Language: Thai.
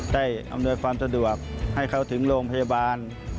อำนวยความสะดวกให้เขาถึงโรงพยาบาล